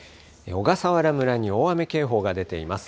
小笠原村に大雨警報が出ています。